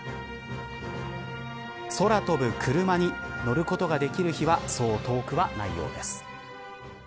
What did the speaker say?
空飛ぶ車に乗ることができる日はそう遠くはないようです。